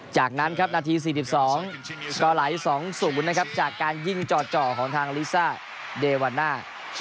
จากนั้นครับนาที๔๒ก็ไหล๒๐นะครับจากการยิงจ่อของทางลิซ่าเดวาน่า